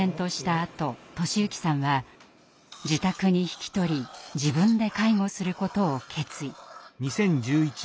あと寿之さんは自宅に引き取り自分で介護することを決意。